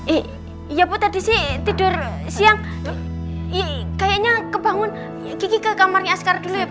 iya bu tadi sih tidur siang kayaknya kebangun gigi ke kamarnya askar dulu ya bu